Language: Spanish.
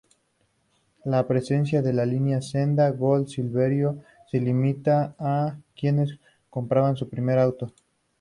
La presencia de la línea Senda-Gol-Saveiro se limitaba a quienes compraban su primer auto.